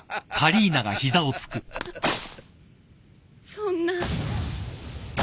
そんな。